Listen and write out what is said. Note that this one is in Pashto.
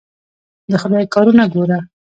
د خدای کارونه ګوره.